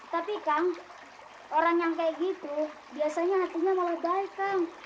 tapi kang orang yang kayak gitu biasanya hatinya malah baik kang